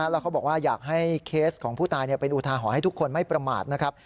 แล้วเขาบอกว่าอยากให้เคสของผู้ตายเป็นอุทาหรณ์ให้ทุกคนไม่ประมาทนะครับ